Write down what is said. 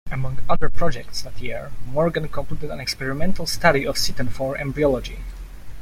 Among other projects that year, Morgan completed an experimental study of ctenophore embryology.